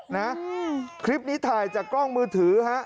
นะคลิปนี้ถ่ายจากกล้องมือถือฮะ